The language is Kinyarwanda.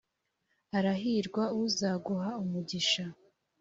arahirwa uzaguha umugisha.